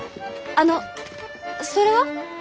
あのそれは？